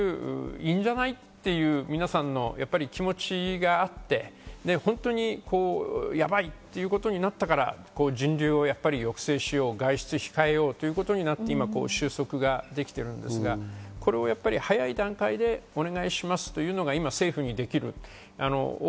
なんで？っていう、いいんじゃないっていう皆さんの気持ちがあってホントにやばいっていうことになったから人流をやっぱり抑制しよう、外出を控えようということになって収束はできてるんですが、早い段階でお願いしますというのが今、政府にできる。